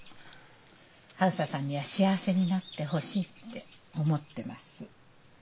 あづささんには幸せになってほしいって思ってます。